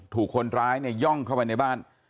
ถูกคนร้ายเนี่ยย่องเข้าไปในบ้าน